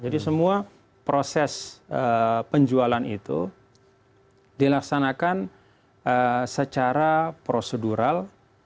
jadi semua proses penjualan itu dilaksanakan secara prosedural